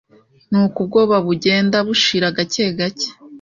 nuko ubwobabugenda bushira gake gake.